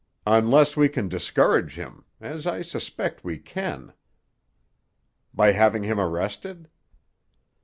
"Unless we can discourage him—as I expect we can." "By having him arrested?"